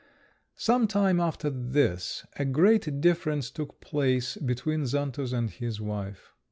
Some time after this a great difference took place between Xantus and his wife.